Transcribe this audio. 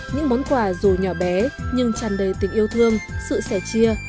những món quà dù nhỏ bé nhưng tràn đầy tình yêu thương sự sẻ chia